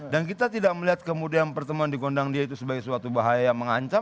dan kita tidak melihat kemudian pertemuan di gondang dia itu sebagai suatu bahaya yang mengancam